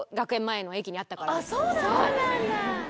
そうなんだ！